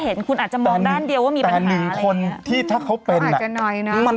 เอออืดถามไม่อยากพูด